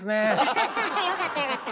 よかったよかった。